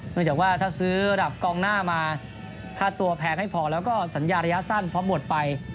เนื่องจากว่าถ้าซื้อระดับกองหน้ามาค่าตัวแพงให้พอแล้วก็สัญญาระยะสั้นเพราะหมดไป